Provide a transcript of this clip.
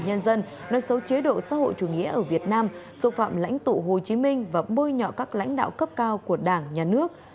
nhân dân nói xấu chế độ xã hội chủ nghĩa ở việt nam xô phạm lãnh tụ hồ chí minh và bôi nhọ các lãnh đạo cấp cao của đảng nhà nước